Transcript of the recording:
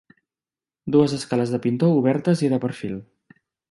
Dues escales de pintor obertes i de perfil.